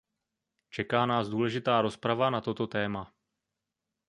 Čeká nás důležitá rozprava na toto téma.